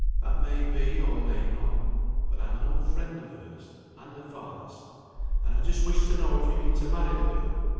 That may be, or may not. But I'm an old friend of hers, and her father's; and I just wished to know if you mean to marry the girl.